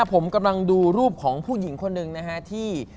ผมกำลังดูรูปของผู้หญิงคนหนึ่งนะฮะที่